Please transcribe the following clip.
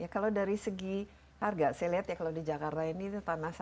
kalau dari segi harga saya lihat ya kalau di jakarta ini tanah saja